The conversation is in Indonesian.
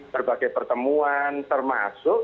berbagai pertemuan termasuk